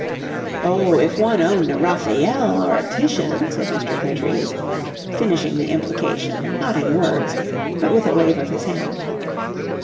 "Oh, if one owned a Raphael or a Titian!" said Mr. Vertrees, finishing the implication, not in words, but with a wave of his hand.